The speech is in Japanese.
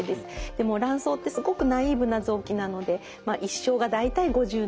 でも卵巣ってすごくナイーブな臓器なので一生が大体５０年間。